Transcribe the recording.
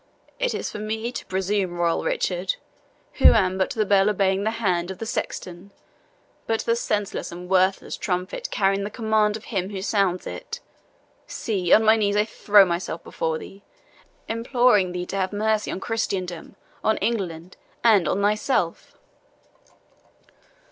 "Is it for me to presume, royal Richard, who am but the bell obeying the hand of the sexton but the senseless and worthless trumpet carrying the command of him who sounds it? See, on my knees I throw myself before thee, imploring thee to have mercy on Christendom, on England, and on thyself!"